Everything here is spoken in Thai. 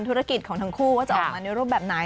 ธุรกิจของทั้งคู่ว่าจะออกมาในรูปแบบไหน